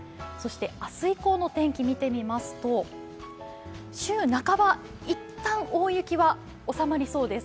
明日以降の天気を見てみますと週半ば、いったん大雪は収まりそうです。